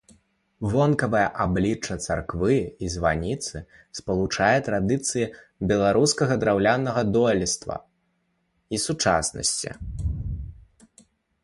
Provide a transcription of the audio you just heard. Вонкавае аблічча царквы і званіцы спалучае традыцыі беларускага драўлянага дойлідства і сучаснасці.